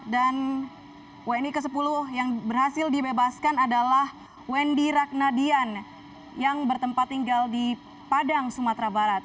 dan wni ke sepuluh yang berhasil dibebaskan adalah wendy ragnadian yang bertempat tinggal di padang sumatera barat